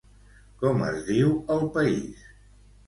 Com es diu el país?